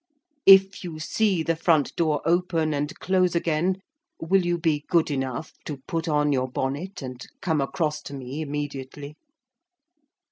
If you see the front door open and close again, will you be good enough to put on your bonnet, and come across to me immediately?